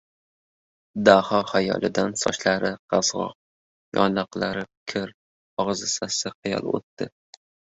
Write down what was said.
Daho xayolidan sochlari qazg‘oq, yonoqlari kir, og‘zi sassiq ayoli o‘tdi!